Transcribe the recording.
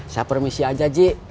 saya permisi aja ji